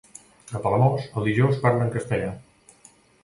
A Palamós, el dijous parlen castellà.